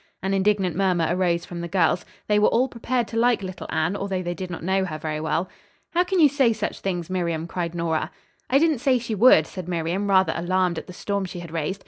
An indignant murmur arose from the girls. They were all prepared to like little Anne, although they did not know her very well. "How can you say such things, Miriam?" cried Nora. "I didn't say she would," said Miriam rather alarmed at the storm she had raised.